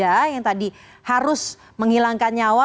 jadi itu yang tadi harus menghilangkan nyawa